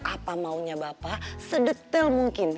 apa maunya bapak sedetail mungkin